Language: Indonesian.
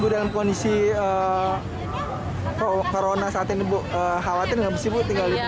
gue dalam kondisi corona saat ini khawatir nggak bisa ibu tinggal di rumah